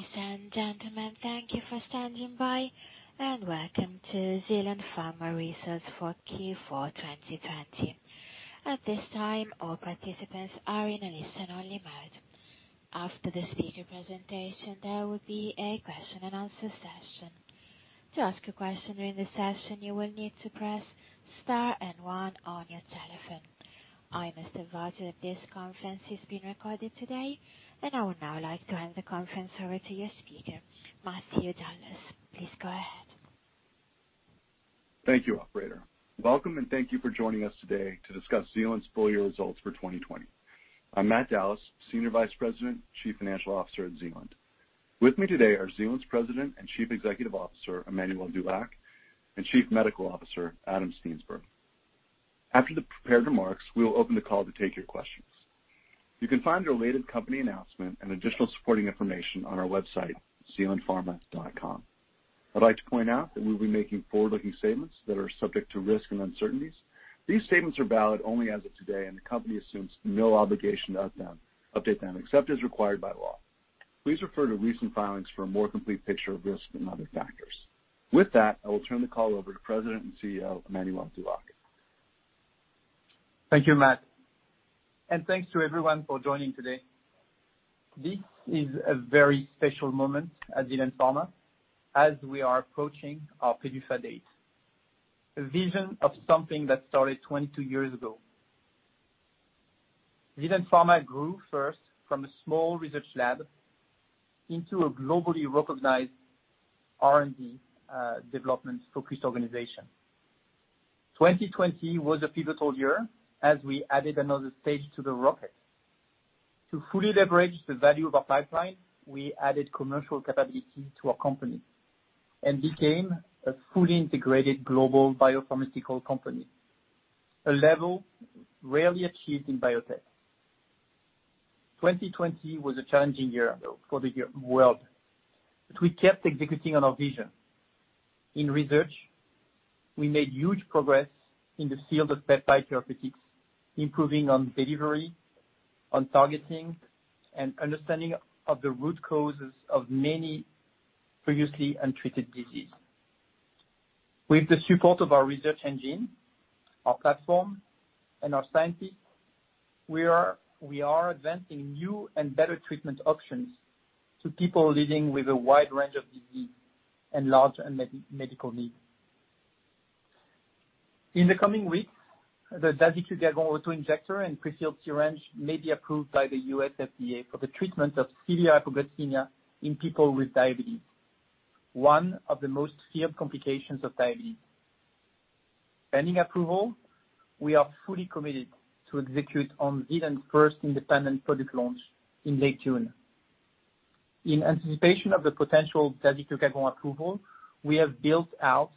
Ladies and gentlemen, thank you for standing by, and welcome to Zealand Pharma Results for Q4 2020. At this time, all participants are in a listen-only mode. After the speaker presentation, there will be a question-and-answer session. To ask a question during the session, you will need to press star and one on your telephone. I must advise you that this conference is being recorded today, and I would now like to hand the conference over to your speaker, Matthew Dallas. Please go ahead. Thank you, Operator. Welcome, and thank you for joining us today to discuss Zealand's full year results for 2020. I'm Matt Dallas, Senior Vice President, Chief Financial Officer at Zealand. With me today are Zealand's President and Chief Executive Officer, Emmanuel Dulac, and Chief Medical Officer, Adam Steensberg. After the prepared remarks, we will open the call to take your questions. You can find a related company announcement and additional supporting information on our website, zealandpharma.com. I'd like to point out that we will be making forward-looking statements that are subject to risk and uncertainties. These statements are valid only as of today, and the company assumes no obligation to update them except as required by law. Please refer to recent filings for a more complete picture of risk and other factors. With that, I will turn the call over to President and CEO, Emmanuel Dulac. Thank you, Matt, and thanks to everyone for joining today. This is a very special moment at Zealand Pharma as we are approaching our PDUFA date. A vision of something that started 22 years ago. Zealand Pharma grew first from a small research lab into a globally recognized R&D development-focused organization. 2020 was a pivotal year as we added another stage to the rocket. To fully leverage the value of our pipeline, we added commercial capability to our company and became a fully integrated global biopharmaceutical company, a level rarely achieved in biotech. 2020 was a challenging year for the world, but we kept executing on our vision. In research, we made huge progress in the field of peptide therapeutics, improving on delivery, on targeting, and understanding of the root causes of many previously untreated diseases. With the support of our research engine, our platform, and our scientists, we are advancing new and better treatment options to people living with a wide range of diseases and large medical needs. In the coming weeks, the dasiglucagon autoinjector and prefilled syringe may be approved by the U.S. FDA for the treatment of severe hypoglycemia in people with diabetes, one of the most feared complications of diabetes. Pending approval, we are fully committed to execute on Zealand's first independent product launch in late June. In anticipation of the potential dasiglucagon approval, we have built out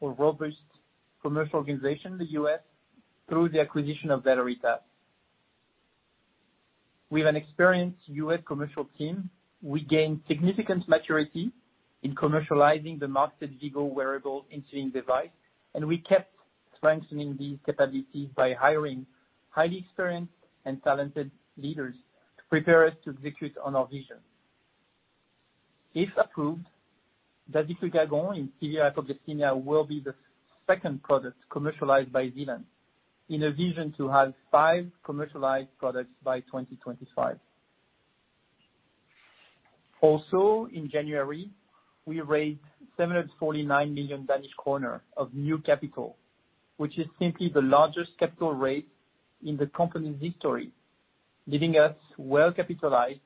a robust commercial organization in the U.S. through the acquisition of Valeritas. With an experienced U.S. commercial team, we gained significant maturity in commercializing the marketed V-Go wearable insulin device, and we kept strengthening these capabilities by hiring highly experienced and talented leaders to prepare us to execute on our vision. If approved, dasiglucagon in severe hypoglycemia will be the second product commercialized by Zealand, in a vision to have five commercialized products by 2025. Also, in January, we raised 749 million Danish kroner of new capital, which is simply the largest capital raised in the company's history, leaving us well capitalized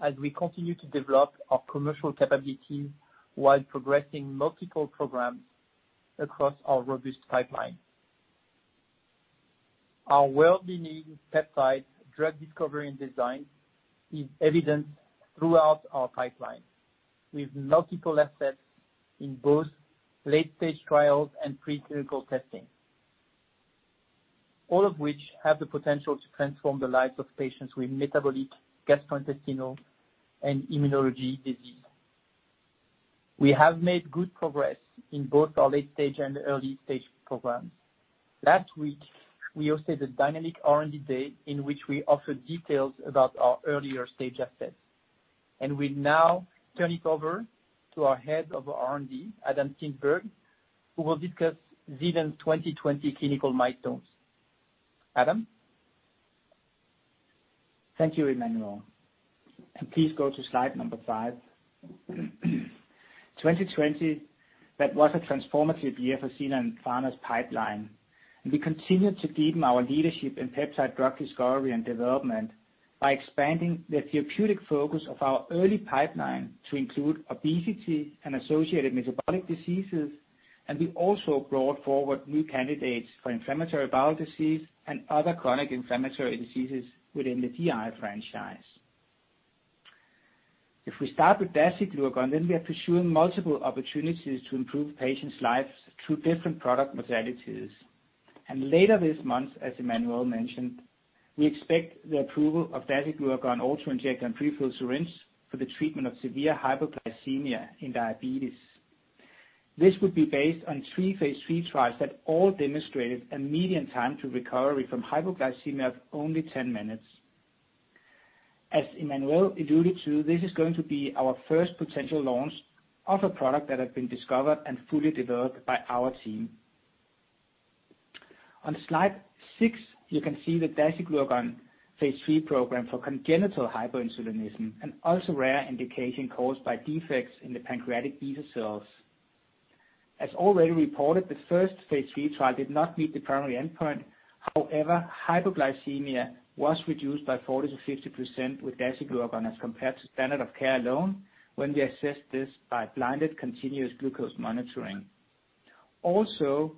as we continue to develop our commercial capabilities while progressing multiple programs across our robust pipeline. Our world-leading expertise in peptide drug discovery and design is evident throughout our pipeline, with multiple assets in both late-stage trials and preclinical testing, all of which have the potential to transform the lives of patients with metabolic, gastrointestinal, and immunology diseases. We have made good progress in both our late-stage and early-stage programs. Last week, we hosted a dynamic R&D day in which we offered details about our earlier stage assets, and we now turn it over to our head of R&D, Adam Steensberg, who will discuss Zealand's 2020 clinical milestones. Adam? Thank you, Emmanuel. Please go to slide number five. 2020, that was a transformative year for Zealand Pharma's pipeline. We continued to deepen our leadership in peptide drug discovery and development by expanding the therapeutic focus of our early pipeline to include obesity and associated metabolic diseases, and we also brought forward new candidates for inflammatory bowel disease and other chronic inflammatory diseases within the GI franchise. If we start with dasiglucagon, then we are pursuing multiple opportunities to improve patients' lives through different product modalities. Later this month, as Emmanuel mentioned, we expect the approval of dasiglucagon autoinjector and prefilled syringe for the treatment of severe hypoglycemia in diabetes. This would be based on three phase III trials that all demonstrated a median time to recovery from hypoglycemia of only 10 minutes. As Emmanuel alluded to, this is going to be our first potential launch of a product that has been discovered and fully developed by our team. On slide six, you can see the dasiglucagon phase III program for congenital hyperinsulinism and also rare indication caused by defects in the pancreatic beta cells. As already reported, the first phase III trial did not meet the primary endpoint. However, hypoglycemia was reduced by 40%-50% with dasiglucagon as compared to standard of care alone when we assessed this by blinded continuous glucose monitoring. Also,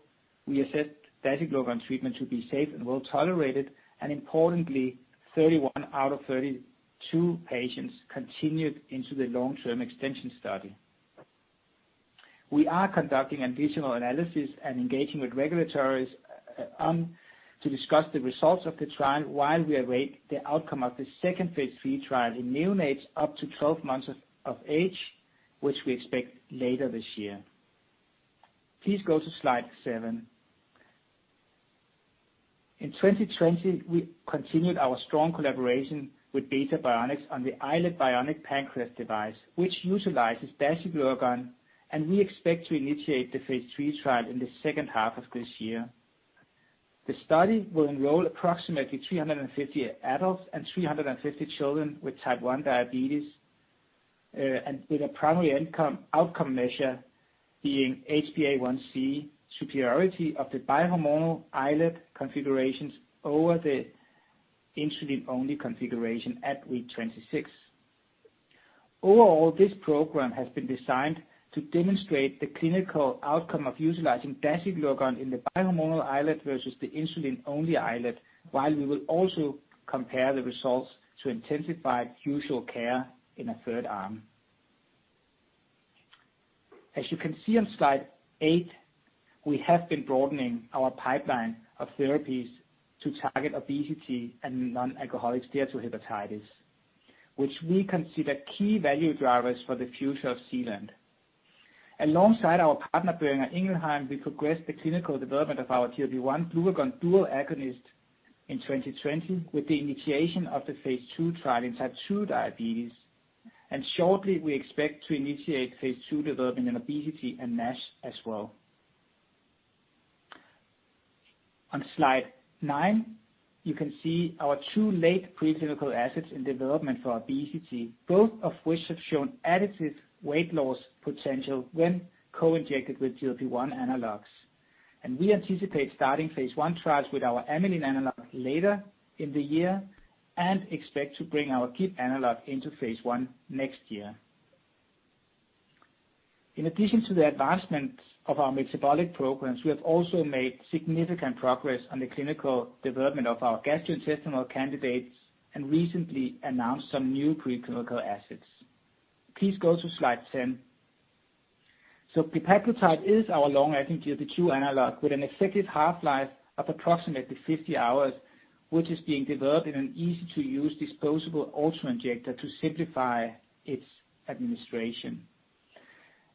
we assessed dasiglucagon treatment to be safe and well tolerated, and importantly, 31 out of 32 patients continued into the long-term extension study. We are conducting additional analysis and engaging with regulators to discuss the results of the trial while we await the outcome of the second phase III trial in neonates up to 12 months of age, which we expect later this year. Please go to slide seven. In 2020, we continued our strong collaboration with Beta Bionics on the iLet Bionic Pancreas device, which utilizes dasiglucagon, and we expect to initiate the phase III trial in the second half of this year. The study will enroll approximately 350 adults and 350 children with type 1 diabetes, and with a primary outcome measure being HbA1c superiority of the bi-hormonal iLet configurations over the insulin-only configuration at week 26. Overall, this program has been designed to demonstrate the clinical outcome of utilizing dasiglucagon in the bi-hormonal iLet versus the insulin-only iLet, while we will also compare the results to intensive usual care in a third arm. As you can see on slide eight, we have been broadening our pipeline of therapies to target obesity and non-alcoholic steatohepatitis, which we consider key value drivers for the future of Zealand. Alongside our partner, Boehringer Ingelheim, we progressed the clinical development of our GLP-1/glucagon dual agonist in 2020 with the initiation of the phase II trial in type 2 diabetes, and shortly, we expect to initiate phase II development in obesity and NASH as well. On slide nine, you can see our two late preclinical assets in development for obesity, both of which have shown additive weight loss potential when co-injected with GLP-1 analogues. We anticipate starting phase I trials with our amylin analog later in the year and expect to bring our GIP analog into phase I next year. In addition to the advancement of our metabolic programs, we have also made significant progress on the clinical development of our gastrointestinal candidates and recently announced some new preclinical assets. Please go to slide 10. glepaglutide is our long-acting GLP-2 analog with an effective half-life of approximately 50 hours, which is being developed in an easy-to-use disposable autoinjector to simplify its administration.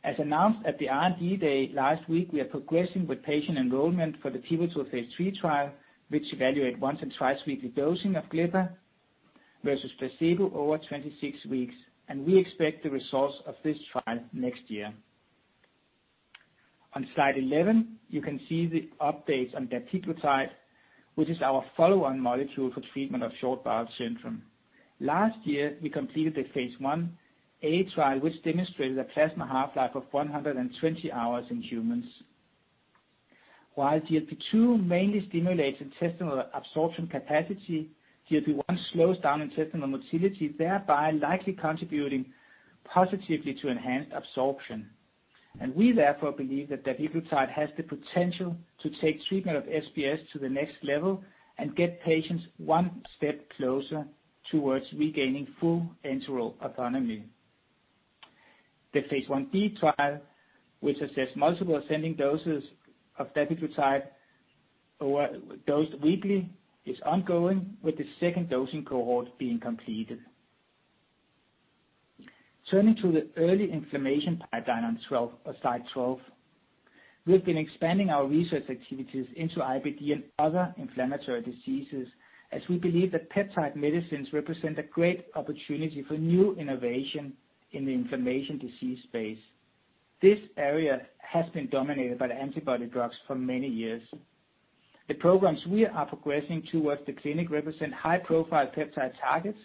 As announced at the R&D day last week, we are progressing with patient enrollment for the pivotal phase III trial, which evaluates once and twice weekly dosing of glepaglutide versus placebo over 26 weeks, and we expect the results of this trial next year. On slide 11, you can see the updates on dapiglutide, which is our follow-on molecule for treatment of short bowel syndrome. Last year, we completed the phase I-A trial, which demonstrated a plasma half-life of 120 hours in humans. While GLP-2 mainly stimulates intestinal absorption capacity, GLP-1 slows down intestinal motility, thereby likely contributing positively to enhanced absorption, and we therefore believe that dapiglutide has the potential to take treatment of SBS to the next level and get patients one step closer towards regaining full enteral autonomy. The phase I-B trial, which assessed multiple ascending doses of dapiglutide dosed weekly, is ongoing, with the second dosing cohort being completed. Turning to the early inflammation pipeline on slide 12, we have been expanding our research activities into IBD and other inflammatory diseases as we believe that peptide medicines represent a great opportunity for new innovation in the inflammation disease space. This area has been dominated by the antibody drugs for many years. The programs we are progressing towards the clinic represent high-profile peptide targets.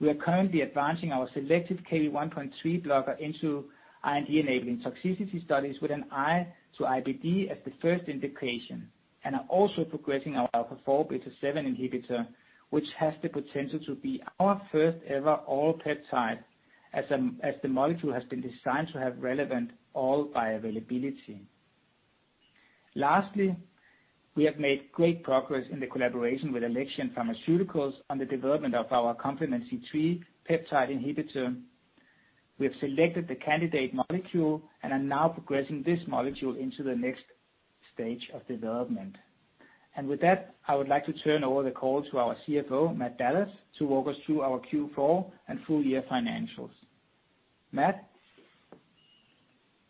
We are currently advancing our selective Kv1.3 blocker into IND-enabling toxicity studies with an eye to IBD as the first indication, and are also progressing our alpha-4 beta-7 inhibitor, which has the potential to be our first-ever oral peptide as the molecule has been designed to have relevant oral bioavailability. Lastly, we have made great progress in the collaboration with Alexion Pharmaceuticals on the development of our complement C3 peptide inhibitor. We have selected the candidate molecule and are now progressing this molecule into the next stage of development. And with that, I would like to turn over the call to our CFO, Matt Dallas, to walk us through our Q4 and full-year financials. Matt?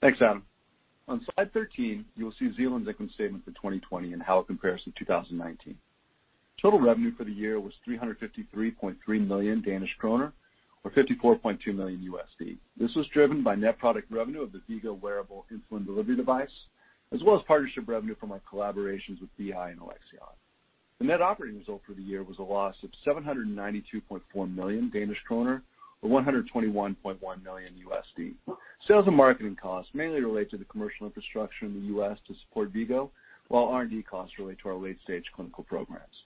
Thanks, Adam. On Slide 13, you'll see Zealand's income statement for 2020 and how it compares to 2019. Total revenue for the year was 353.3 million Danish kroner, or $54.2 million. This was driven by net product revenue of the V-Go wearable insulin delivery device, as well as partnership revenue from our collaborations with BI and Alexion. The net operating result for the year was a loss of 792.4 million Danish kroner, or $121.1 million. Sales and marketing costs mainly relate to the commercial infrastructure in the U.S. to support V-Go, while R&D costs relate to our late-stage clinical programs.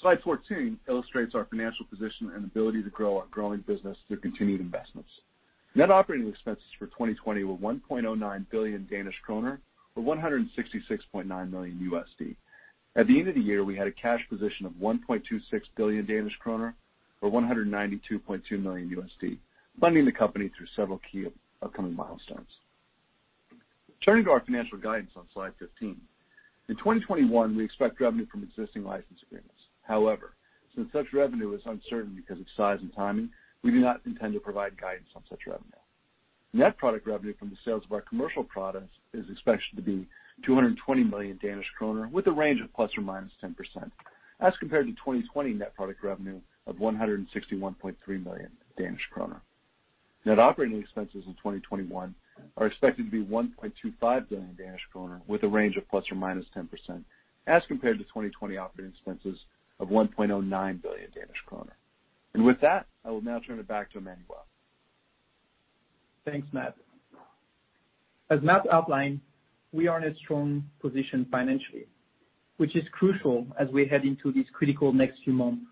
Slide 14 illustrates our financial position and ability to grow our growing business through continued investments. Net operating expenses for 2020 were 1.09 billion Danish kroner, or $166.9 million. At the end of the year, we had a cash position of 1.26 billion Danish kroner, or $192.2 million, funding the company through several key upcoming milestones. Turning to our financial guidance on slide 15, in 2021, we expect revenue from existing license agreements. However, since such revenue is uncertain because of size and timing, we do not intend to provide guidance on such revenue. Net product revenue from the sales of our commercial products is expected to be 220 million Danish kroner, with a range of ±10%, as compared to 2020 net product revenue of 161.3 million Danish kroner. Net operating expenses in 2021 are expected to be 1.25 billion Danish kroner, with a range of ±10%, as compared to 2020 operating expenses of 1.09 billion Danish kroner. With that, I will now turn it back to Emmanuel. Thanks, Matt. As Matt outlined, we are in a strong position financially, which is crucial as we head into these critical next few months.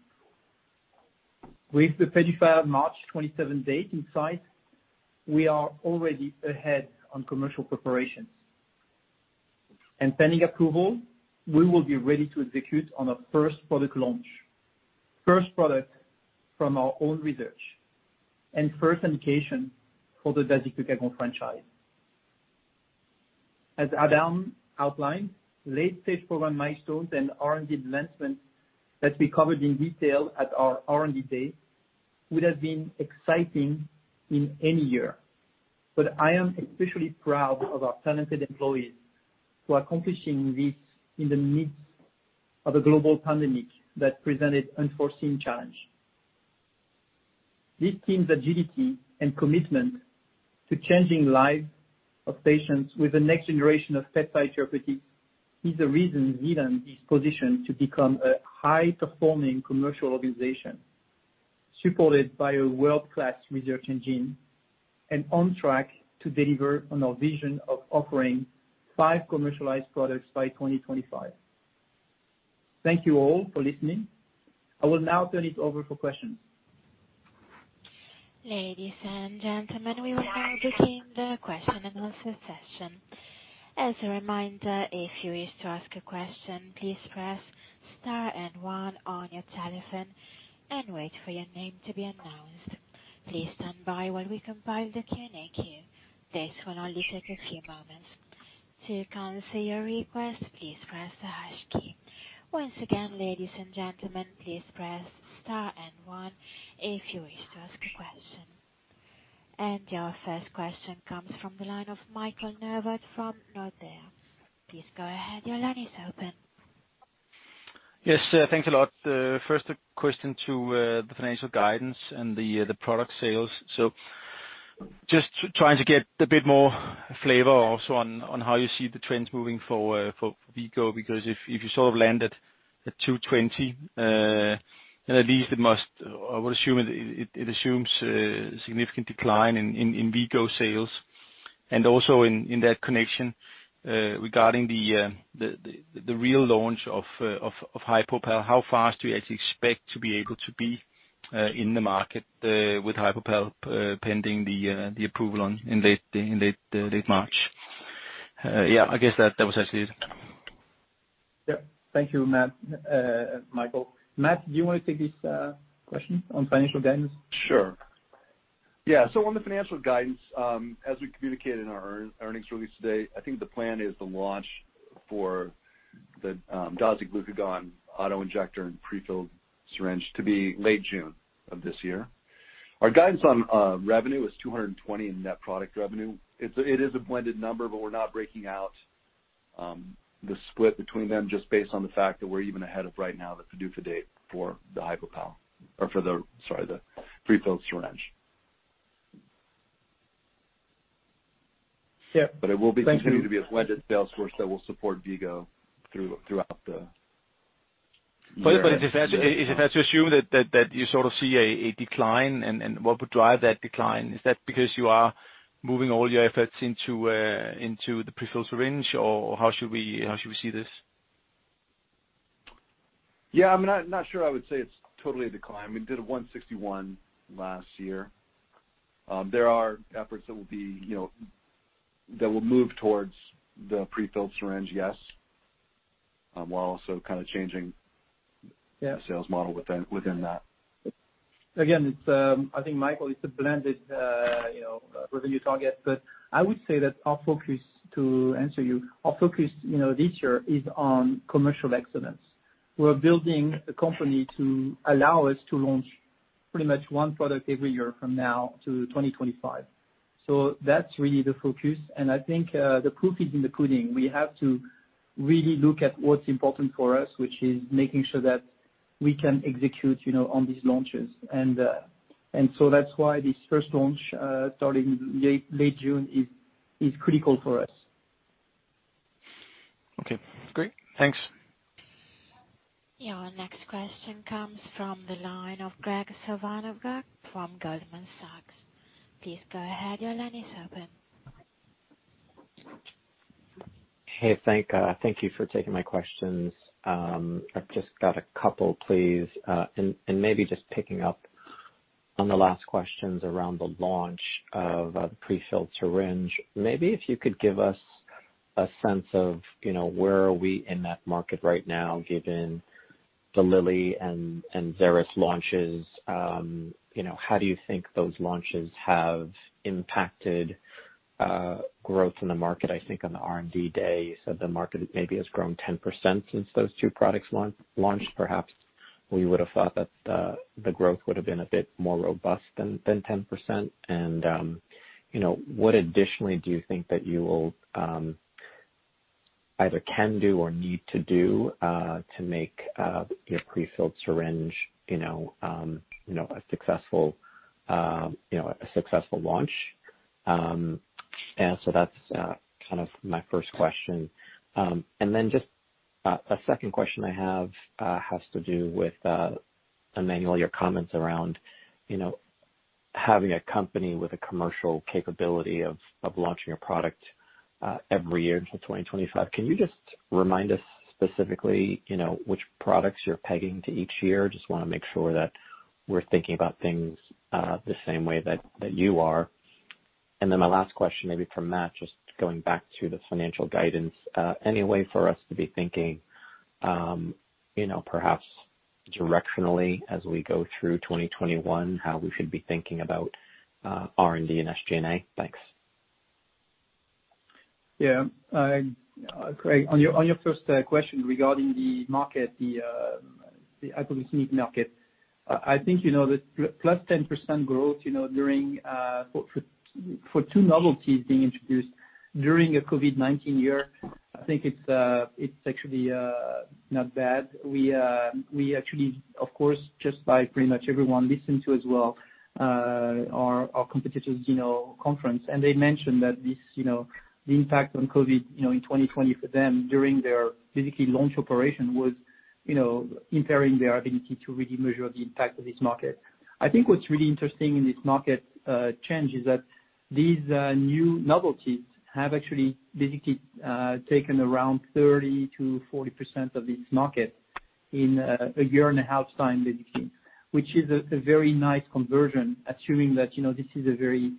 With the PDUFA March 27 date in sight, we are already ahead on commercial preparations, and pending approval, we will be ready to execute on our first product launch, first product from our own research, and first indication for the dasiglucagon franchise. As Adam outlined, late-stage program milestones and R&D advancements that we covered in detail at our R&D day would have been exciting in any year, but I am especially proud of our talented employees who are accomplishing this in the midst of a global pandemic that presented unforeseen challenges. This team's agility and commitment to changing lives of patients with the next generation of peptide therapies is the reason Zealand is positioned to become a high-performing commercial organization supported by a world-class research engine and on track to deliver on our vision of offering five commercialized products by 2025. Thank you all for listening. I will now turn it over for questions. Ladies and gentlemen, we will now begin the question and answer session. As a reminder, if you wish to ask a question, please press star and one on your telephone and wait for your name to be announced. Please stand by while we compile the Q&A queue. This will only take a few moments. To cancel your request, please press the hash key. Once again, ladies and gentlemen, please press star and one if you wish to ask a question. And your first question comes from the line of Michael Novod from Nordea. Please go ahead. Your line is open. Yes, thanks a lot. First, a question to the financial guidance and the product sales. So just trying to get a bit more flavor also on how you see the trends moving for V-Go, because if you sort of land at 220, then at least it must, I would assume it assumes a significant decline in V-Go sales. And also in that connection, regarding the real launch of HypoPal, how fast do you actually expect to be able to be in the market with HypoPal pending the approval in late March? Yeah, I guess that was actually it. Yep. Thank you, Matt and Michael. Matt, do you want to take this question on financial guidance? Sure. Yeah. So on the financial guidance, as we communicated in our earnings release today, I think the plan is to launch for the dasiglucagon autoinjector and prefilled syringe to be late June of this year. Our guidance on revenue is 220 million in net product revenue. It is a blended number, but we're not breaking out the split between them just based on the fact that we're even ahead of right now the PDUFA date for the HypoPal or for the, sorry, the prefilled syringe. Yep. But it will be continued to be a blended sales force that will support V-Go throughout the year. But if that's to assume that you sort of see a decline, and what would drive that decline, is that because you are moving all your efforts into the prefilled syringe, or how should we see this? Yeah. I mean, I'm not sure I would say it's totally a decline. We did 161 last year. There are efforts that will move towards the prefilled syringe, yes, while also kind of changing the sales model within that. Again, I think, Michael, it's a blended revenue target, but I would say that our focus, to answer you, our focus this year is on commercial excellence. We're building a company to allow us to launch pretty much one product every year from now to 2025. So that's really the focus. And I think the proof is in the pudding. We have to really look at what's important for us, which is making sure that we can execute on these launches. And so that's why this first launch starting late June is critical for us. Okay. Great. Thanks. Your next question comes from the line of Graig Suvannavejh from Goldman Sachs. Please go ahead. Your line is open. Hey, thank you for taking my questions. I've just got a couple, please. And maybe just picking up on the last questions around the launch of the prefilled syringe, maybe if you could give us a sense of where are we in that market right now, given the Lilly and Xeris launches. How do you think those launches have impacted growth in the market? I think on the R&D day, you said the market maybe has grown 10% since those two products launched. Perhaps we would have thought that the growth would have been a bit more robust than 10%. And what additionally do you think that you will either can do or need to do to make your prefilled syringe a successful launch? And so that's kind of my first question. And then, just a second question I have has to do with, Emmanuel, your comments around having a company with a commercial capability of launching a product every year until 2025. Can you just remind us specifically which products you're pegging to each year? Just want to make sure that we're thinking about things the same way that you are. And then my last question, maybe for Matt, just going back to the financial guidance, any way for us to be thinking perhaps directionally as we go through 2021, how we should be thinking about R&D and SG&A? Thanks. Yeah. On your first question regarding the market, the hypoglycemia market, I think that plus 10% growth for two novelties being introduced during a COVID-19 year, I think it's actually not bad. We actually, of course, just by pretty much everyone listened to as well our competitors' conference. And they mentioned that the impact on COVID in 2020 for them during their physical launch operation was impairing their ability to really measure the impact of this market. I think what's really interesting in this market change is that these new novelties have actually basically taken around 30%-40% of this market in a year and a half time, basically, which is a very nice conversion, assuming that this is a very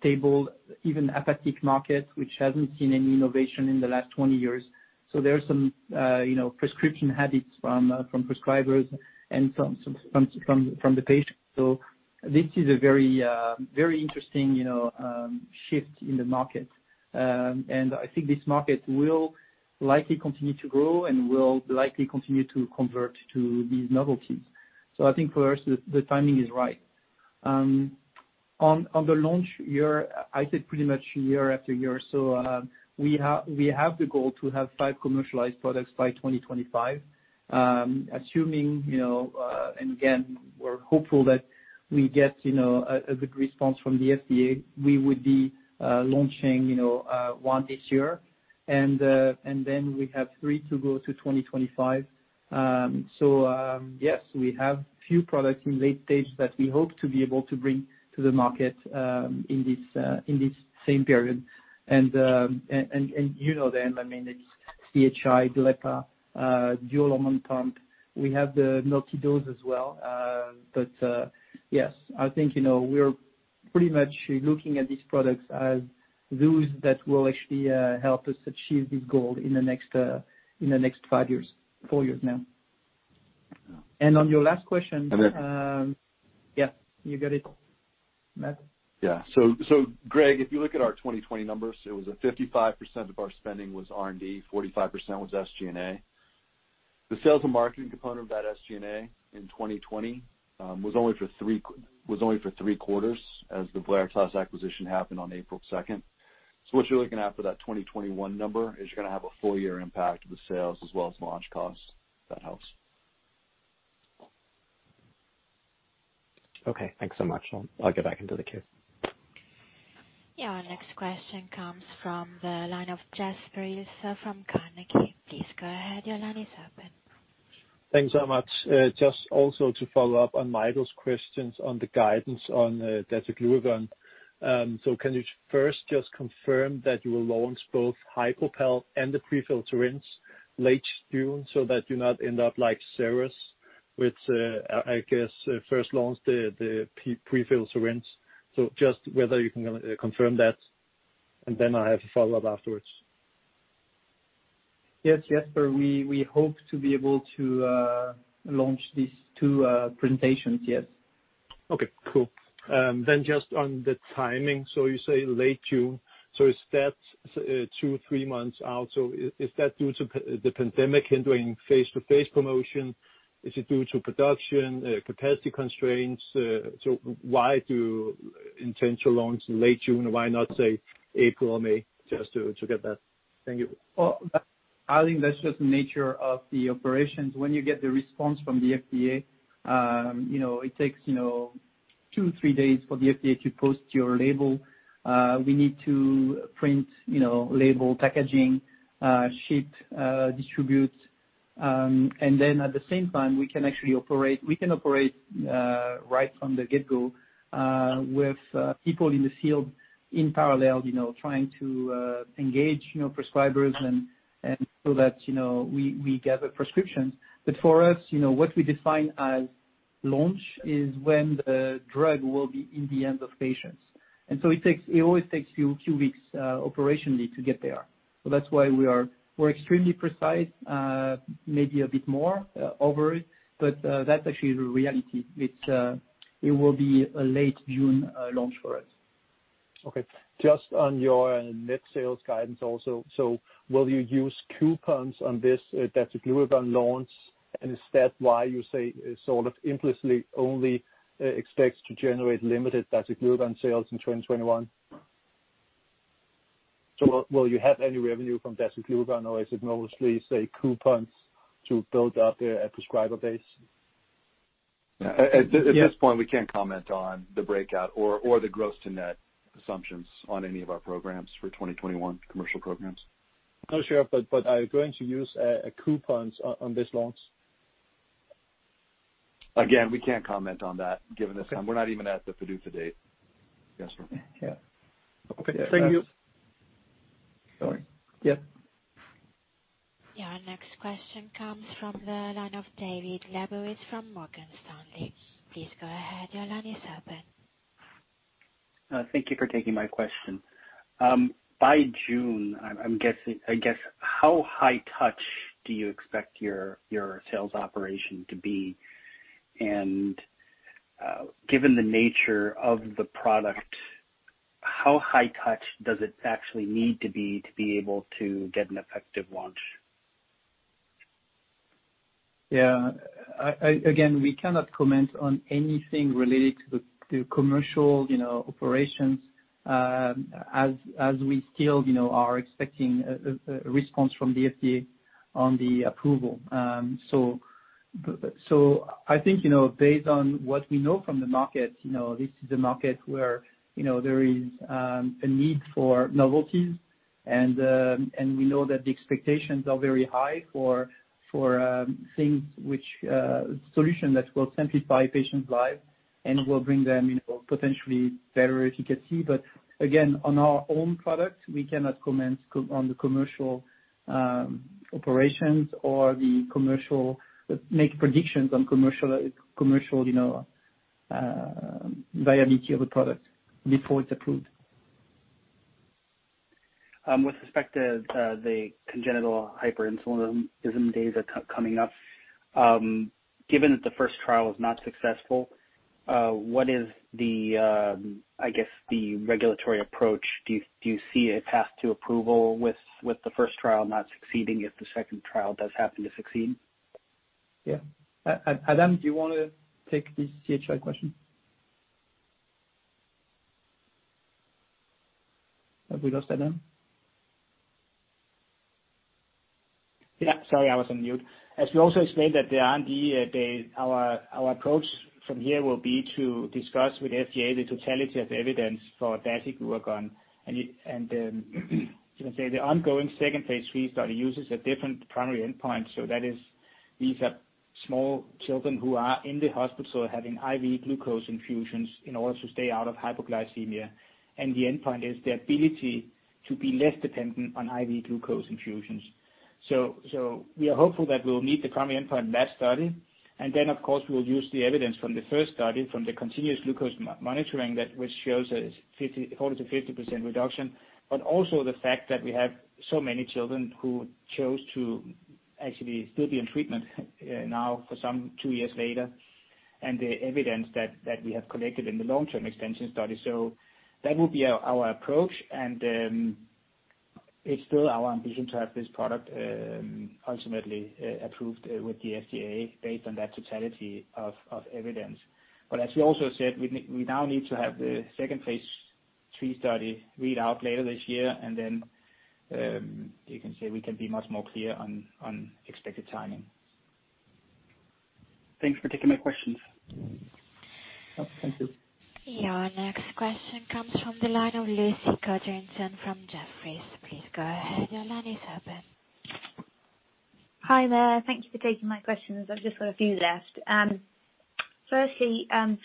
stable, even apathetic market, which hasn't seen any innovation in the last 20 years. So there are some prescription habits from prescribers and from the patients. This is a very interesting shift in the market. I think this market will likely continue to grow and will likely continue to convert to these novelties. I think for us, the timing is right. On the launch year, I said pretty much year after year. We have the goal to have five commercialized products by 2025, assuming, and again, we're hopeful that we get a good response from the FDA. We would be launching one this year, and then we have three to go to 2025. Yes, we have a few products in late stage that we hope to be able to bring to the market in this same period. You know them, I mean, it's CHI, glepaglutide, dual hormone pump. We have the multidose as well. But yes, I think we're pretty much looking at these products as those that will actually help us achieve this goal in the next five years, four years now. And on your last question. And then. Yeah, you got it, Matt. Yeah. So Graig, if you look at our 2020 numbers, it was 55% of our spending was R&D, 45% was SG&A. The sales and marketing component of that SG&A in 2020 was only for three quarters as the Valeritas acquisition happened on April 2nd. So what you're looking at for that 2021 number is you're going to have a full year impact of the sales as well as launch costs. That helps. Okay. Thanks so much. I'll get back into the queue. Your next question comes from the line of Jesper Ilsøe from Carnegie. Please go ahead. Your line is open. Thanks so much. Just also to follow up on Michael's questions on the guidance on dasiglucagon. So can you first just confirm that you will launch both HypoPal and the prefilled syringe late June so that you not end up like Xeris with, I guess, first launch the prefilled syringe? So just whether you can confirm that, and then I have a follow-up afterwards. Yes, Jesper, we hope to be able to launch these two presentations, yes. Okay. Cool. Then just on the timing, so you say late June. So is that two, three months out? So is that due to the pandemic hindering face-to-face promotion? Is it due to production, capacity constraints? So why do you intend to launch late June? Why not, say, April or May just to get that? Thank you. I think that's just the nature of the operations. When you get the response from the FDA, it takes two, three days for the FDA to post your label. We need to print label, packaging, ship, distribute. At the same time, we can actually operate right from the get-go with people in the field in parallel trying to engage prescribers so that we gather prescriptions. For us, what we define as launch is when the drug will be in the hands of patients. It always takes a few weeks operationally to get there. That's why we're extremely precise, maybe a bit more over it, but that's actually the reality. It will be a late June launch for us. Okay. Just on your net sales guidance also, so will you use coupons on this dasiglucagon launch? And is that why you say it sort of implicitly only expects to generate limited dasiglucagon sales in 2021? So will you have any revenue from dasiglucagon, or is it mostly, say, coupons to build up a prescriber base? At this point, we can't comment on the breakout or the gross-to-net assumptions on any of our programs for 2021 commercial programs. No, sir, but are you going to use coupons on this launch? Again, we can't comment on that given the time. We're not even at the PDUFA date, Jesper. Yeah. Okay. Thank you. Sorry. Yeah. Your next question comes from the line of David Lebowitz from Morgan Stanley. Please go ahead. Your line is open. Thank you for taking my question. By June, I'm guessing, I guess, how high touch do you expect your sales operation to be? And given the nature of the product, how high touch does it actually need to be to be able to get an effective launch? Yeah. Again, we cannot comment on anything related to the commercial operations as we still are expecting a response from the FDA on the approval. So I think based on what we know from the market, this is a market where there is a need for novelties, and we know that the expectations are very high for things which solution that will simplify patients' lives and will bring them potentially better efficacy. But again, on our own product, we cannot comment on the commercial operations or make predictions on commercial viability of the product before it's approved. With respect to the congenital hyperinsulinism data coming up, given that the first trial is not successful, what is the, I guess, the regulatory approach? Do you see a path to approval with the first trial not succeeding if the second trial does happen to succeed? Yeah. Adam, do you want to take this CHI question? Have we lost Adam? Yeah. Sorry, I was on mute. As we also explained that the R&D, our approach from here will be to discuss with the FDA the totality of evidence for dasiglucagon, and you can say the ongoing phase III study uses a different primary endpoint, so that is, these are small children who are in the hospital having IV glucose infusions in order to stay out of hypoglycemia, and the endpoint is the ability to be less dependent on IV glucose infusions, so we are hopeful that we'll meet the primary endpoint in that study. Then, of course, we will use the evidence from the first study from the continuous glucose monitoring that which shows a 40%-50% reduction, but also the fact that we have so many children who chose to actually still be in treatment now for some two years later and the evidence that we have collected in the long-term extension study. So that will be our approach. And it's still our ambition to have this product ultimately approved with the FDA based on that totality of evidence. But as we also said, we now need to have the second phase III study read out later this year, and then you can say we can be much more clear on expected timing. Thanks for taking my questions. Thank you. Your next question comes from the line of Lucy Codrington from Jefferies. Please go ahead. Your line is open. Hi, there. Thank you for taking my questions. I've just got a few left. Firstly, I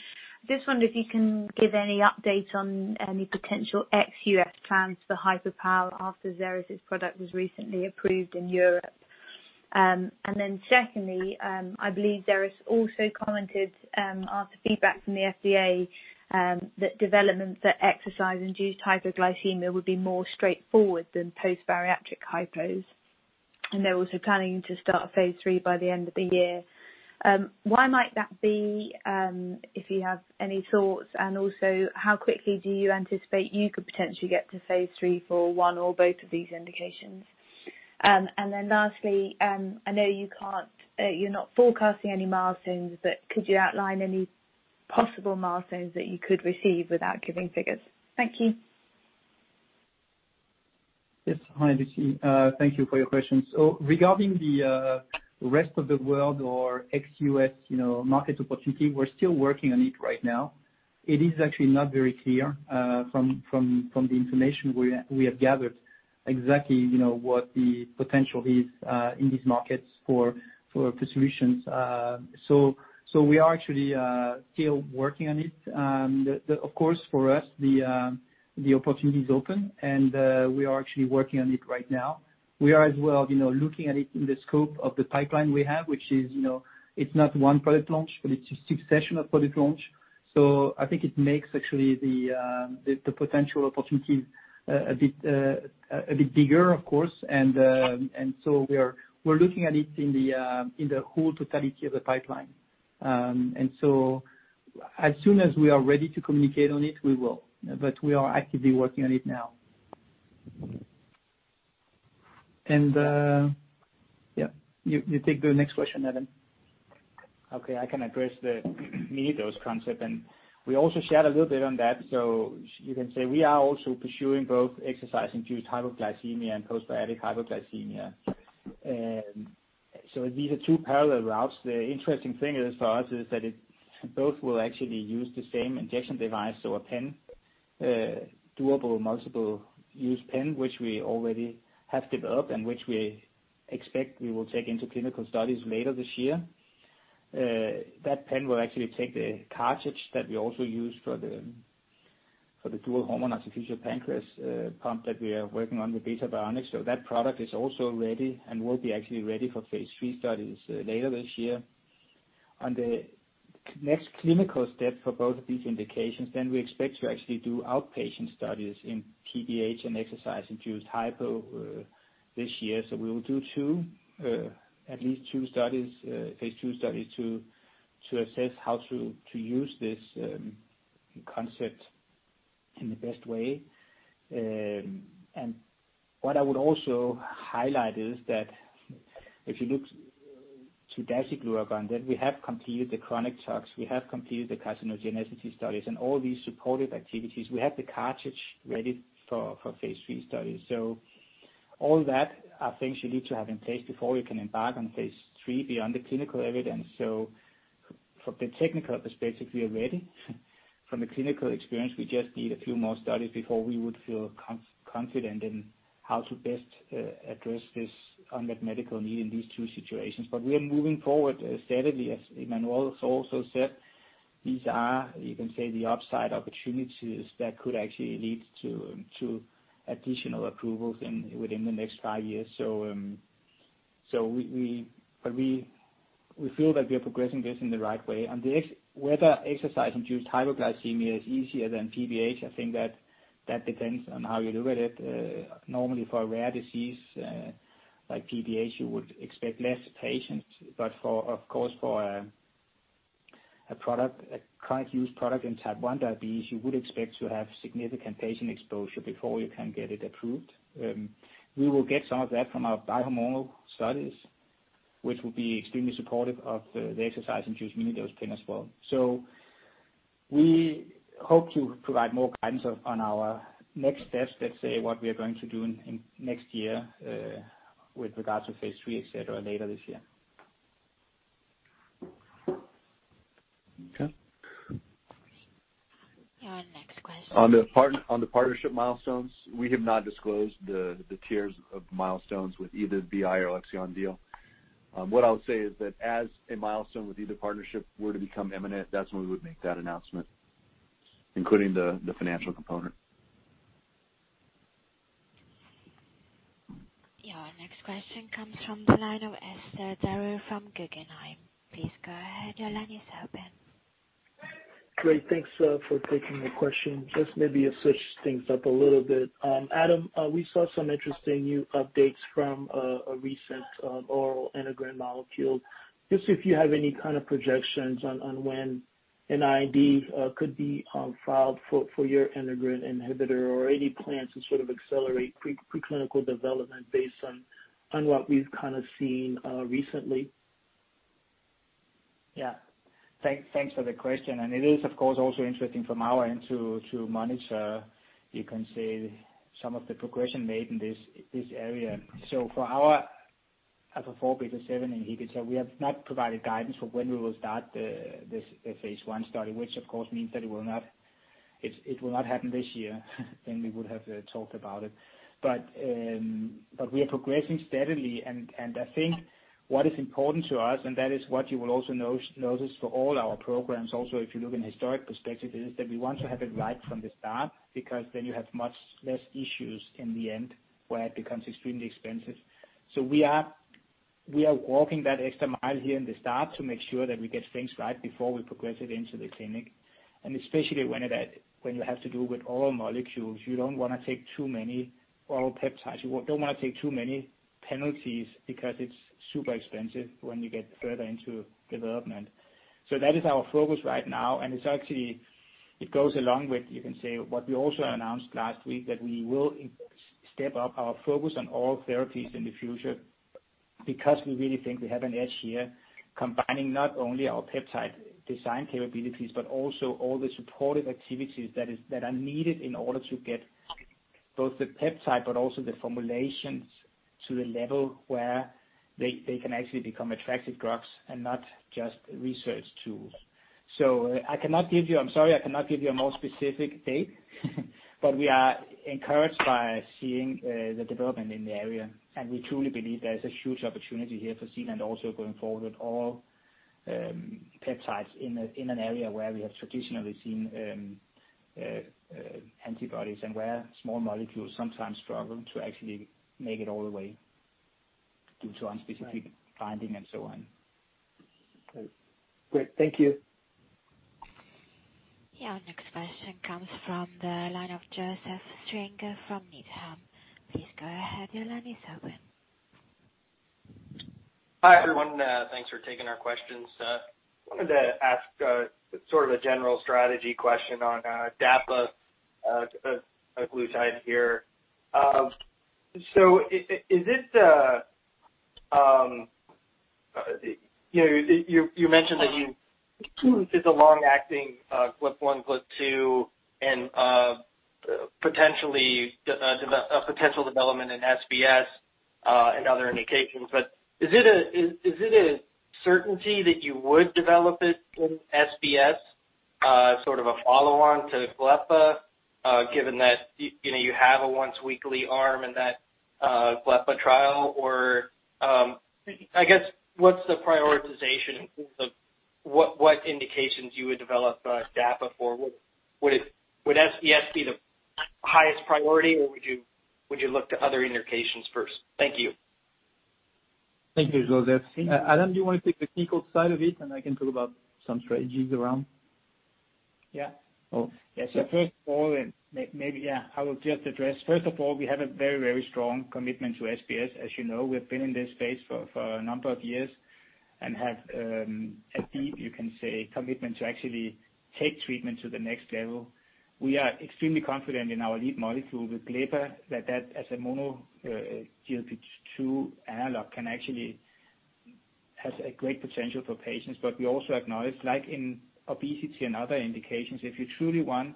just wonder if you can give any updates on any potential US plans for HypoPal after Xeris's product was recently approved in Europe. And then secondly, I believe Xeris also commented after feedback from the FDA that development for exercise-induced hypoglycemia would be more straightforward than post-bariatric hypos. And they're also planning to start phase III by the end of the year. Why might that be? If you have any thoughts, and also how quickly do you anticipate you could potentially get to phase III for one or both of these indications? And then lastly, I know you're not forecasting any milestones, but could you outline any possible milestones that you could receive without giving figures? Thank you. Yes. Hi, Lucy. Thank you for your questions. So regarding the rest of the world or XUS market opportunity, we're still working on it right now. It is actually not very clear from the information we have gathered exactly what the potential is in these markets for solutions. So we are actually still working on it. Of course, for us, the opportunity is open, and we are actually working on it right now. We are as well looking at it in the scope of the pipeline we have, which is it's not one product launch, but it's a succession of product launch. So I think it makes actually the potential opportunities a bit bigger, of course. And so we're looking at it in the whole totality of the pipeline. And so as soon as we are ready to communicate on it, we will. But we are actively working on it now. And yeah, you take the next question, Adam. Okay. I can address the need-based concept, and we also shared a little bit on that, so you can say we are also pursuing both exercise-induced hypoglycemia and post-bariatric hypoglycemia. So these are two parallel routes. The interesting thing for us is that both will actually use the same injection device, so a pen, a durable multiple-use pen, which we already have developed and which we expect we will take into clinical studies later this year. That pen will actually take the cartridge that we also use for the dual hormone artificial pancreas pump that we are working on with Beta Bionics. So that product is also ready and will be actually ready for phase III studies later this year. On the next clinical step for both of these indications, then we expect to actually do outpatient studies in T1D and exercise-induced hypo this year. So we will do at least two studies, phase III studies, to assess how to use this concept in the best way. And what I would also highlight is that if you look to dasiglucagon, then we have completed the chronic TOX, we have completed the carcinogenicity studies, and all these supportive activities. We have the cartridge ready for phase III studies. So all that are things you need to have in place before you can embark on phase III beyond the clinical evidence. So from the technical perspective, we are ready. From the clinical experience, we just need a few more studies before we would feel confident in how to best address this unmet medical need in these two situations. But we are moving forward steadily, as Emmanuel also said. These are, you can say, the upside opportunities that could actually lead to additional approvals within the next five years. So we feel that we are progressing this in the right way. Whether exercise-induced hypoglycemia is easier than CHI, I think that depends on how you look at it. Normally, for a rare disease like CHI, you would expect less patients. But of course, for a chronic use product in type 1 diabetes, you would expect to have significant patient exposure before you can get it approved. We will get some of that from our bi-hormonal studies, which will be extremely supportive of the exercise-induced need of this pen as well. So we hope to provide more guidance on our next steps, let's say what we are going to do next year with regards to phase III, etc., later this year. Okay. Your next question. On the partnership milestones, we have not disclosed the tiers of milestones with either BI or Alexion deal. What I would say is that as a milestone with either partnership were to become imminent, that's when we would make that announcement, including the financial component. Your next question comes from the line of Etzer Darout from Guggenheim. Please go ahead. Your line is open. Great. Thanks for taking the question. Just maybe to switch things up a little bit. Adam, we saw some interesting new updates from a recent oral integrin molecule. Just if you have any kind of projections on when an ID could be filed for your integrin inhibitor or any plans to sort of accelerate preclinical development based on what we've kind of seen recently? Yeah. Thanks for the question. And it is, of course, also interesting from our end to monitor, you can say, some of the progression made in this area. So for our alpha-4 beta-7 inhibitor, we have not provided guidance for when we will start the phase I study, which, of course, means that it will not happen this year. Then we would have talked about it. But we are progressing steadily. And I think what is important to us, and that is what you will also notice for all our programs also, if you look in historic perspective, is that we want to have it right from the start because then you have much less issues in the end where it becomes extremely expensive. So we are walking that extra mile here in the start to make sure that we get things right before we progress it into the clinic. And especially when you have to do with oral molecules, you don't want to take too many oral peptides. You don't want to take too many penalties because it's super expensive when you get further into development. So that is our focus right now. And it goes along with, you can say, what we also announced last week, that we will step up our focus on oral therapies in the future because we really think we have an edge here combining not only our peptide design capabilities, but also all the supportive activities that are needed in order to get both the peptide but also the formulations to the level where they can actually become attractive drugs and not just research tools. So I cannot give you. I'm sorry, I cannot give you a more specific date, but we are encouraged by seeing the development in the area, and we truly believe there is a huge opportunity here for Zealand also going forward with all peptides in an area where we have traditionally seen antibodies and where small molecules sometimes struggle to actually make it all the way due to unspecific binding and so on. Great. Thank you. Your next question comes from the line of Joseph Stringer from Needham. Please go ahead. Your line is open. Hi, everyone. Thanks for taking our questions. I wanted to ask sort of a general strategy question on dapiglutide here. So is it? You mentioned that it's a long-acting GLP-1, GLP-2, and potentially a potential development in SBS and other indications. But is it a certainty that you would develop it in SBS, sort of a follow-on to GLP-1, given that you have a once-weekly arm in that GLP-1 trial? Or I guess, what's the prioritization in terms of what indications you would develop dapiglutide for? Would SBS be the highest priority, or would you look to other indications first? Thank you. Thank you, Joseph. Adam, do you want to take the technical side of it, and I can talk about some strategies around? Yeah. So first of all, and maybe I will just address, first of all, we have a very, very strong commitment to SBS, as you know. We've been in this space for a number of years and have a deep, you can say, commitment to actually take treatment to the next level. We are extremely confident in our lead molecule with glepaglutide that, as a mono GLP-2 analog, can actually have a great potential for patients. But we also acknowledge, like in obesity and other indications, if you truly want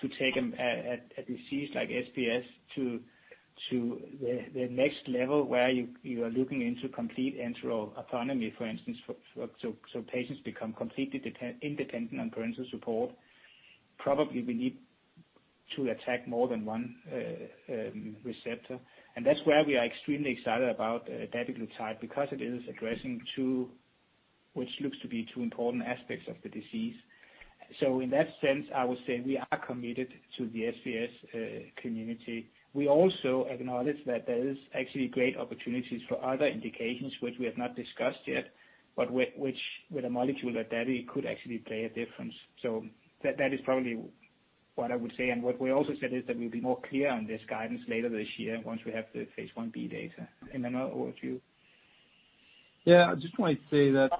to take a disease like SBS to the next level where you are looking into complete enteral autonomy, for instance, so patients become completely independent on parenteral support, probably we need to attack more than one receptor. And that's where we are extremely excited about dapiglutide because it is addressing two, which looks to be two important aspects of the disease. So in that sense, I would say we are committed to the SBS community. We also acknowledge that there are actually great opportunities for other indications, which we have not discussed yet, but which, with a molecule like dapiglutide, could actually play a difference. So that is probably what I would say. And what we also said is that we'll be more clear on this guidance later this year once we have the phase I-B data. Emmanuel, what would you? Yeah. I just wanted to say that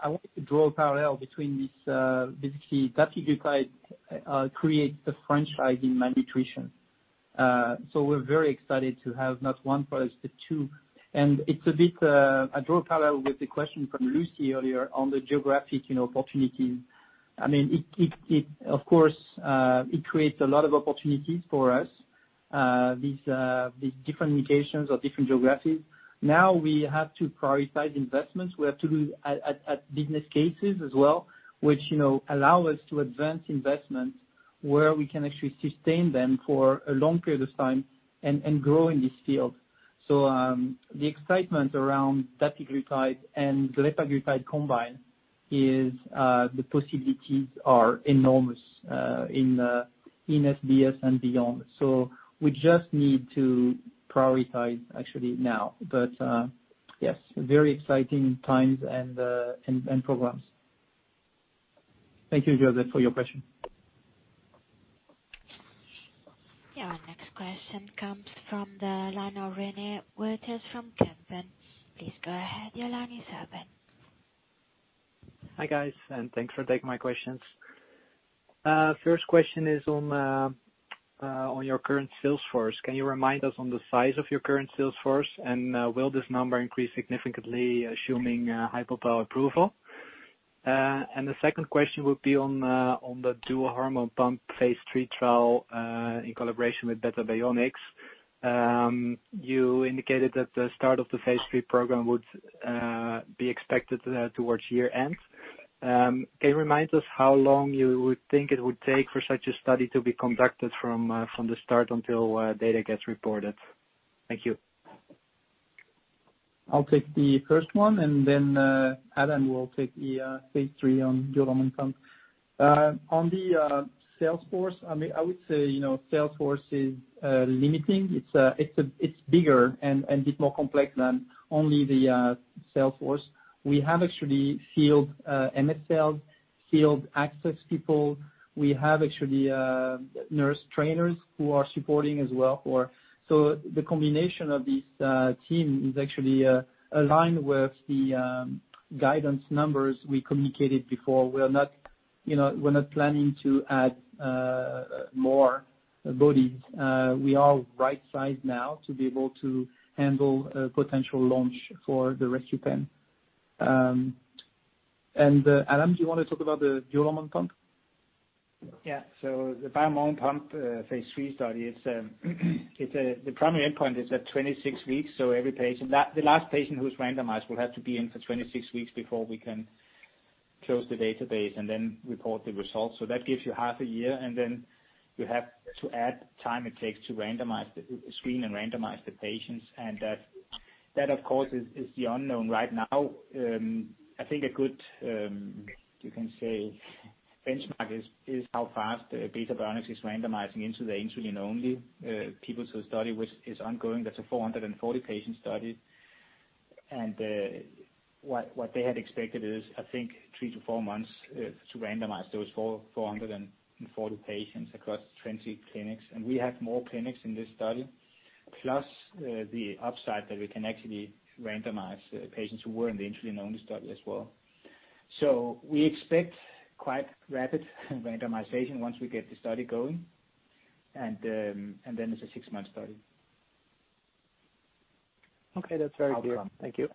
I wanted to draw a parallel between this. Basically, dapiglutide creates the franchise in malnutrition. So we're very excited to have not one product, but two. And it's a bit. I draw a parallel with the question from Lucy earlier on the geographic opportunities. I mean, of course, it creates a lot of opportunities for us, these different mutations or different geographies. Now we have to prioritize investments. We have to look at business cases as well, which allow us to advance investments where we can actually sustain them for a long period of time and grow in this field. So the excitement around dapiglutide and glepaglutide combined is the possibilities are enormous in SBS and beyond. So we just need to prioritize actually now. But yes, very exciting times and programs. Thank you, Joseph, for your question. Your next question comes from the line of René Wouters from Kempen & Co. Please go ahead. Your line is open. Hi guys, and thanks for taking my questions. First question is on your current sales force. Can you remind us on the size of your current sales force? And will this number increase significantly, assuming HypoPal approval? And the second question would be on the dual hormone pump phase III trial in collaboration with Beta Bionics. You indicated that the start of the phase III program would be expected towards year end. Can you remind us how long you would think it would take for such a study to be conducted from the start until data gets reported? Thank you. I'll take the first one, and then Adam will take the phase III on dual hormone pump. On the sales force, I mean, I would say sales force is limiting. It's bigger and a bit more complex than only the sales force. We have actually field MSLs, field access people. We have actually nurse trainers who are supporting as well. So the combination of these teams is actually aligned with the guidance numbers we communicated before. We're not planning to add more bodies. We are right-sized now to be able to handle a potential launch for the rescue pen, and Adam, do you want to talk about the dual hormone pump? Yeah. So the bi-hormone pump phase III study, the primary endpoint is at 26 weeks. So the last patient who's randomized will have to be in for 26 weeks before we can close the database and then report the results. So that gives you half a year. And then you have to add time it takes to screen and randomize the patients. And that, of course, is the unknown right now. I think a good, you can say, benchmark is how fast Beta Bionics is randomizing into the insulin-only pivotal study, which is ongoing. That's a 440-patient study. And what they had expected is, I think, three to four months to randomize those 440 patients across 20 clinics. And we have more clinics in this study, plus the upside that we can actually randomize patients who were in the insulin-only study as well. So we expect quite rapid randomization once we get the study going. And then it's a six-month study. Okay. That's very clear. Thank you.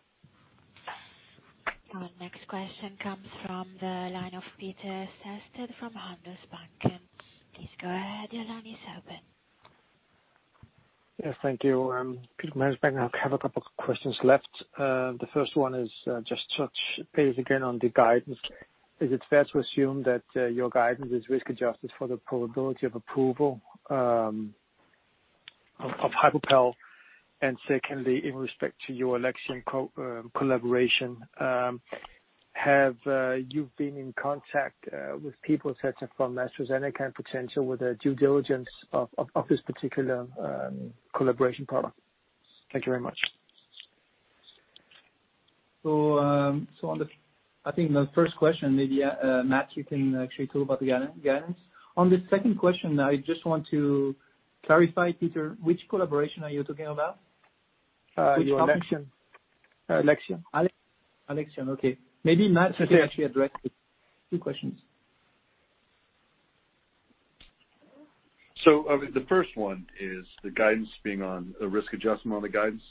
Your next question comes from the line of Peter Sehested from Handelsbanken. Please go ahead. Your line is open. Yes. Thank you. Peter Sehested from Handelsbanken. I have a couple of questions left. The first one is just to touch base again on the guidance. Is it fair to assume that your guidance is risk-adjusted for the probability of approval of HypoPal? And secondly, in respect to your Alexion collaboration, have you been in contact with people such as from AstraZeneca and Potential with the due diligence of this particular collaboration product? Thank you very much. I think the first question, maybe Matt, you can actually talk about the guidance. On the second question, I just want to clarify, Peter, which collaboration are you talking about? It's Alexion. It's Alexion. Okay. Maybe Matt can actually address the two questions. So the first one is the guidance being on the risk adjustment on the guidance.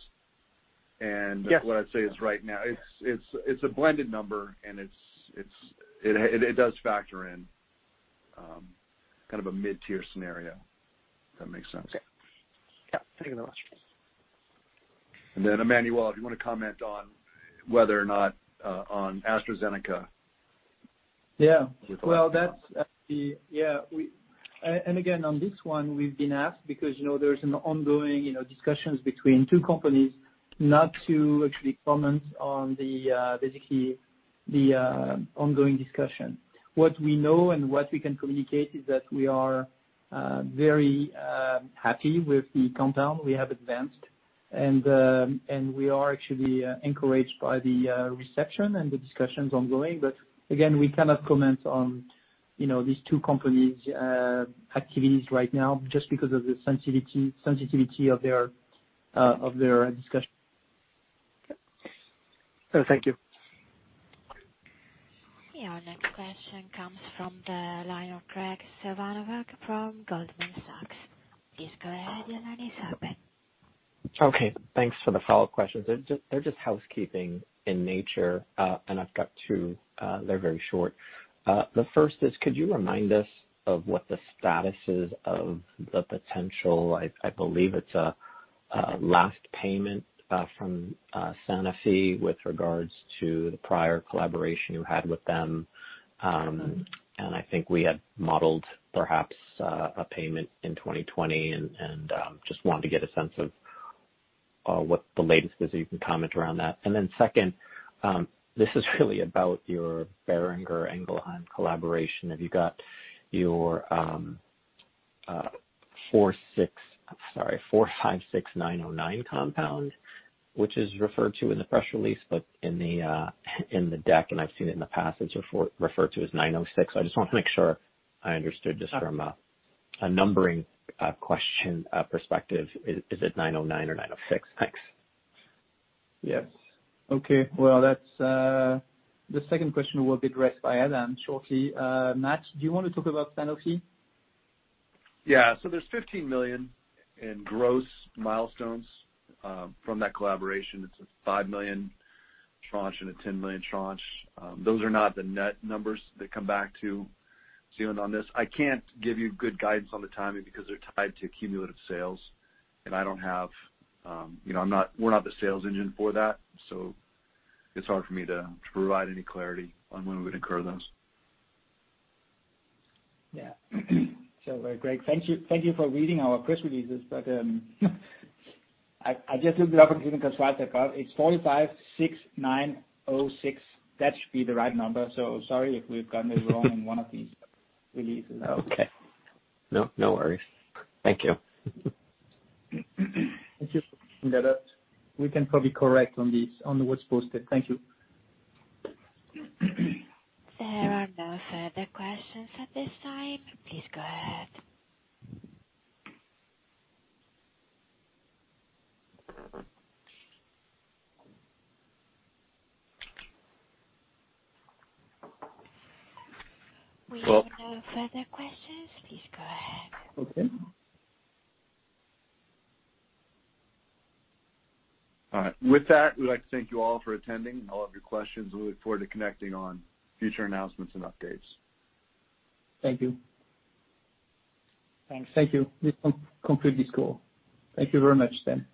And what I'd say is right now, it's a blended number, and it does factor in kind of a mid-tier scenario, if that makes sense. Okay. Yeah. Thank you very much. And then, Emmanuel, if you want to comment on whether or not on AstraZeneca. Yeah. Well, that's actually, yeah. And again, on this one, we've been asked because there's an ongoing discussion between two companies not to actually comment on basically the ongoing discussion. What we know and what we can communicate is that we are very happy with the compound we have advanced. And we are actually encouraged by the reception and the discussions ongoing. But again, we cannot comment on these two companies' activities right now just because of the sensitivity of their discussion. Okay. Thank you. Your next question comes from the line of Graig Suvannavejh from Goldman Sachs. Please go ahead. Your line is open. Okay. Thanks for the follow-up questions. They're just housekeeping in nature, and I've got two. They're very short. The first is, could you remind us of what the status is of the potential? I believe it's a last payment from Sanofi with regards to the prior collaboration you had with them. And I think we had modeled perhaps a payment in 2020 and just wanted to get a sense of what the latest is so you can comment around that. And then second, this is really about your Boehringer Ingelheim collaboration. Have you got your 456906 compound, which is referred to in the press release, but in the deck, and I've seen it in the past, it's referred to as 906. So I just want to make sure I understood just from a numbering question perspective. Is it 909 or 906? Thanks. Yes. Okay. Well, the second question will be addressed by Adam shortly. Matt, do you want to talk about Sanofi? Yeah. So there's 15 million in gross milestones from that collaboration. It's a 5 million tranche and a 10 million tranche. Those are not the net numbers that come back to Zealand on this. I can't give you good guidance on the timing because they're tied to cumulative sales. And I don't have—we're not the sales engine for that. So it's hard for me to provide any clarity on when we would incur those. Yeah. So Graig, thank you for reading our press releases. But I just looked it up on Google Translate. It's 456906. That should be the right number. So sorry if we've gotten it wrong in one of these releases. Okay. No worries. Thank you. Thank you. We can probably correct on what's posted. Thank you. There are no further questions at this time. Please go ahead. We have no further questions. Please go ahead. Okay. All right. With that, we'd like to thank you all for attending. I love your questions. We look forward to connecting on future announcements and updates. Thank you. Thanks. Thank you. This completes this call. Thank you very much, then.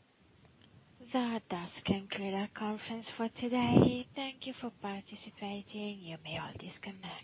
That ends our conference for today. Thank you for participating. You may all disconnect.